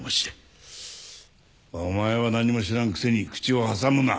お前は何も知らんくせに口を挟むな。